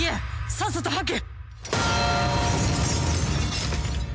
さっさと吐け！